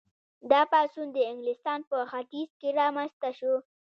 دا پاڅون د انګلستان په ختیځ کې رامنځته شو.